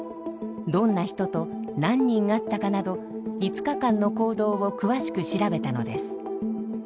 どんな人と何人会ったかなど５日間の行動を詳しく調べたのです。